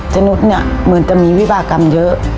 สนุกเนี่ยเหมือนจะมีวิบากรรมเยอะ